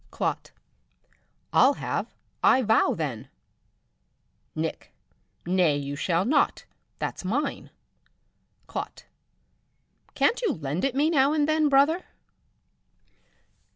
"Clot. I'll have I vow, then. "Nick. Nay, but you shall not, that's mine. "Clot. Can't you lend it me now and then, brother?"